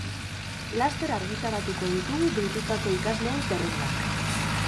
Laster argitaratuko ditugu deitutako ikasleen zerrendak.